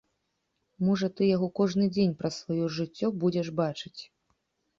Можа ты яго кожны дзень праз сваё жыццё будзеш бачыць.